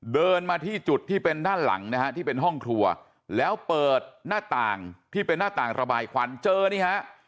เดินมาที่จุดที่เป็นด้านหลังนะฮะที่เป็นห้องครัวแล้วเปิดหน้าต่างที่เป็นหน้าต่างระบายควันเจอนี่ฮะ